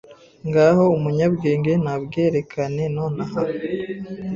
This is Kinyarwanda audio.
Ngaho umunyabwenge nabwerekane nonaha